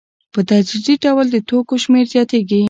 په تدریجي ډول د توکو شمېر زیاتېږي